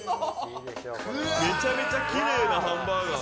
めちゃめちゃきれいなハンバーガー。